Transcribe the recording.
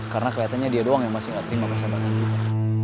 karena keliatannya dia doang yang masih gak terima perasaban gue juga